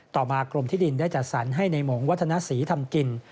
ต่อมากรมที่ดินได้จัดสรรให้ในหมงวัฒนศรีทำกิน